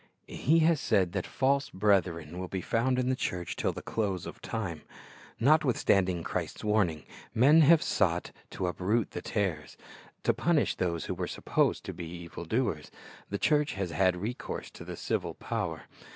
He has said that false brethren will be found in the church till the close of time. Notwithstanding Christ's warning, men hax'c sought to 74 Christ's Object Lessons uproot the tares. To punish those who were supposed to be evdl doers, the church has had recourse to the civil power.